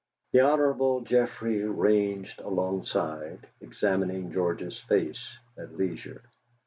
The Hon. Geoffrey ranged alongside, examining George's face at leisure.